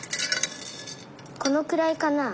このくらいかな？